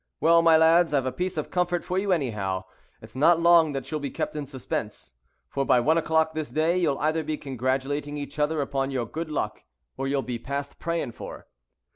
Well, my lads, I've a piece of comfort for you, anyhow. It's not long that you'll be kept in suspense, for by one o'clock this day you'll either be congratulating each other upon your good luck, or you'll be past praying for.